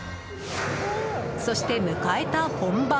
そして、迎えた本番。